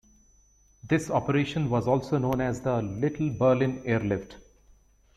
This operation was also known as the "Little Berlin Airlift".